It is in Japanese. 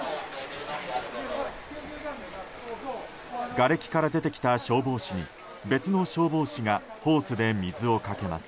がれきから出てきた消防士に別の消防士がホースで水をかけます。